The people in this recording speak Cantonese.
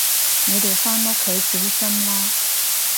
你哋返屋企小心啦